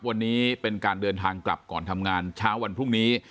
วันนี้เป็นการเดินทางกลับก่อนทำงานเช้าวันพรุ่งนี้